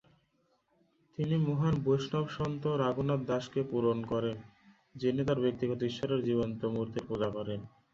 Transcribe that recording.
তিনি মহান বৈষ্ণব সন্ত রঘুনাথ দাসকে পূরণ করেন, যিনি তার ব্যক্তিগত ঈশ্বরের জীবন্ত মূর্তির পূজা করেন।